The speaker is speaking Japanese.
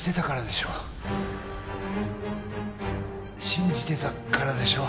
信じてたからでしょ？